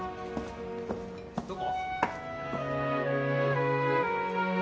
どこ？